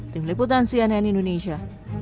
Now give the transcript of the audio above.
tim liputan cnn indonesia